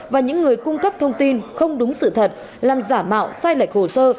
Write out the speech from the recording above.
và những người cung cấp thông tin không đúng sự thật làm giả mạo sai lệch hồ sơ